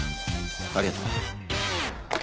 ありがとう。